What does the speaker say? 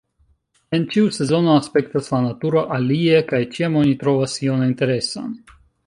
En ĉiu sezono aspektas la naturo alie... kaj ĉiam oni trovas ion interesan.